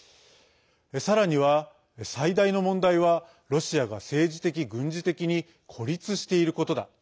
さらには、最大の問題はロシアが政治的・軍事的に孤立していることだ。